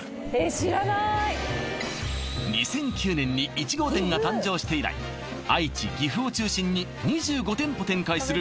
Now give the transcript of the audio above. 知らない２００９年に１号店が誕生して以来愛知岐阜を中心に２５店舗展開する